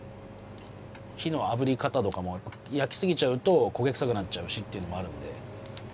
火のあぶり方とかも焼き過ぎちゃうと焦げ臭くなっちゃうしっていうのもあるので。